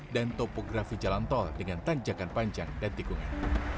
dan topografi jalan tol dengan tanjakan panjang dan tikungan